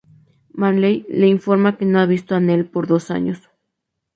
Manley le informa que no ha visto a Nell por dos años.